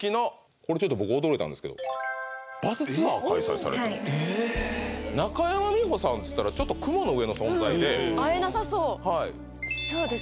これちょっと僕驚いたんですけど中山美穂さんっつったらちょっと雲の上の存在で会えなさそうそうですね